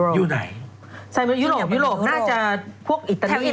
ซานมาริโนยุโรปน่าจะพวกอิตาลีป่ะ